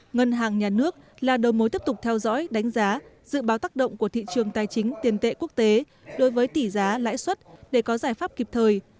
ngân hàng nhà nước là đầu mối tiếp tục theo dõi đánh giá dự báo tác động của thị trường tài chính tiền tệ quốc tế đối với tỷ giá lãi suất để có giải pháp kịp thời